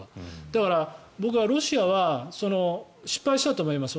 だから、僕はロシアは失敗したと思います。